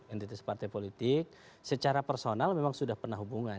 entitas partai politik secara personal memang sudah pernah hubungan